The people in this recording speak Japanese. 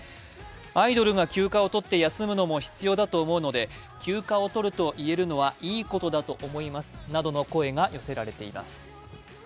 アイドルが休暇を取って休むのも必要だと思うので、休暇を取ると言えるのはいいことだと思いますなどの声が寄せられています。